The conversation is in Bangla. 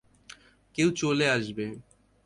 কেউ চলে আসবে।